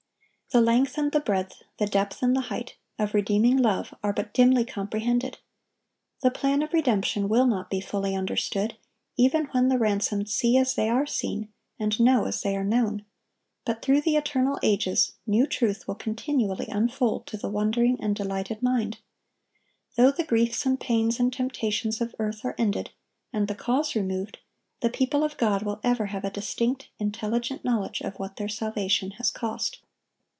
The length and the breadth, the depth and the height, of redeeming love are but dimly comprehended. The plan of redemption will not be fully understood, even when the ransomed see as they are seen and know as they are known; but through the eternal ages, new truth will continually unfold to the wondering and delighted mind. Though the griefs and pains and temptations of earth are ended, and the cause removed, the people of God will ever have a distinct, intelligent knowledge of what their salvation has cost.